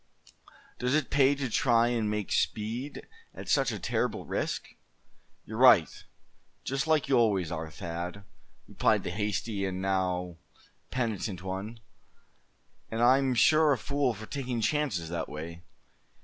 Does it pay to try and make speed at such a terrible risk?" "You're right, just like you always are, Thad," replied the hasty and now penitent one; "and I'm sure a fool for taking chances that way.